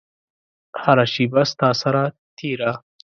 هره شیبه ستا سره تیره